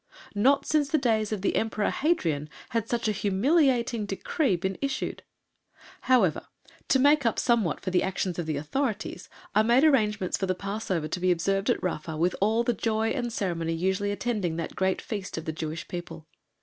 Not since the days of the Emperor Hadrian had such a humiliating decree been issued. However, to make up somewhat for the action of the authorities, I made arrangements for the Passover to be observed at Rafa with all the joy and ceremony usually attending that great Feast of the Jewish People.